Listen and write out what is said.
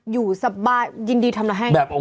อยู่สบายยินดีทำละแห้งดูแลทุกอย่าง